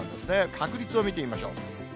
確率を見てみましょう。